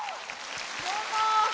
どうも！